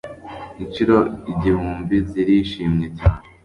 inshuro igihumbi zirishimye cyane